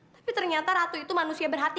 tapi ternyata ratu itu manusia berpikirnya gitu